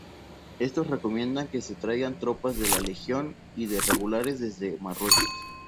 Estos recomiendan que se traigan tropas de la Legión y de Regulares desde Marruecos.